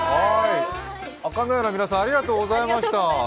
あかのやの皆さん、ありがとうございました。